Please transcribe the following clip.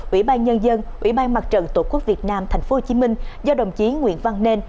ủy ban nhân dân ủy ban mặt trận tổ quốc việt nam tp hcm do đồng chí nguyễn văn nên